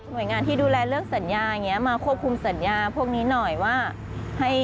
หน่วยงานที่ดูแลเรื่องสัญญามาควบคุมสัญญาพวกนี้หน่อยว่า